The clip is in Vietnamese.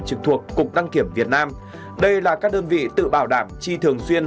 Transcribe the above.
trực thuộc cục đăng kiểm việt nam đây là các đơn vị tự bảo đảm chi thường xuyên